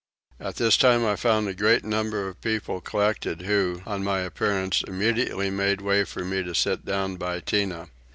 At this place I found a great number of people collected who, on my appearance, immediately made way for me to sit down by Tinah.